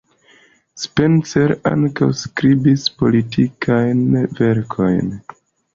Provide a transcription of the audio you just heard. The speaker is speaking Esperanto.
Spencer ankaŭ skribis politikajn verkojn.